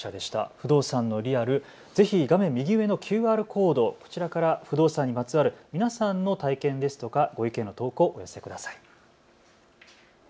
不動産のリアル、ぜひ画面右上のＱＲコード、こちらから不動産にまつわる皆さんの体験ですとかご意見の投稿、お寄せください。